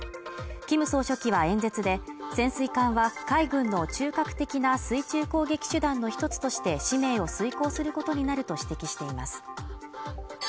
キム総書記は演説で潜水艦は海軍の中核的な水中攻撃手段の一つとして使命を遂行することになると指摘しています